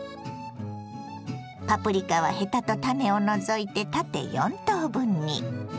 パプリカはヘタと種を除いて縦４等分に。